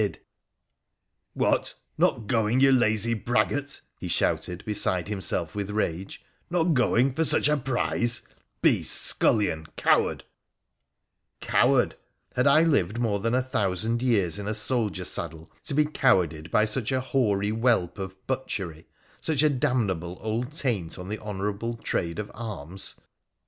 174 WONDERFUL ADVENTURES OF ' What ! not going, you lazy braggart !' he shouted, beside himself with rage —' not going, for such a prize ? Beast — scullion — coward !'' Coward !' Had I lived more than a thousand years in a soldier saddle to be cowarded by such a hoary whelp of butchery — such a damnable old taint on the honourable trade of arms